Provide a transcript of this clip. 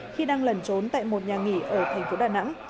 khi đang lẩn trốn tại một nhà nghỉ ở thành phố đà nẵng